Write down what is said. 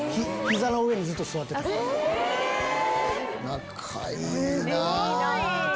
仲いいなぁ。